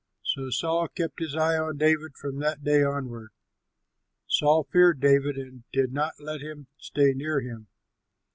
So Saul kept his eye on David from that day onward. Saul feared David and did not let him stay near him.